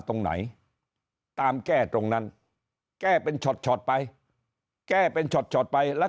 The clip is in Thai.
ตรงไหนตามแก้ตรงนั้นแก้เป็นช็อตไปแก้เป็นช็อตไปแล้ว